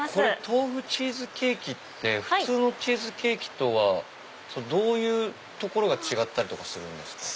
豆腐チーズケーキって普通のチーズケーキとはどういうところが違うんですか？